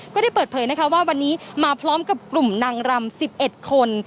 ก็ได้เปิดเผยนะคะว่าวันนี้มาพร้อมกับกลุ่มนางรำ๑๑คน